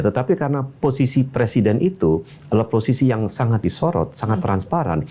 tetapi karena posisi presiden itu adalah posisi yang sangat disorot sangat transparan